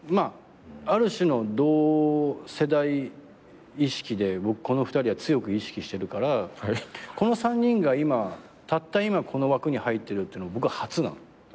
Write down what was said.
ある種の同世代意識でこの２人は強く意識してるからこの３人がたった今この枠に入ってるっていうの僕初なの。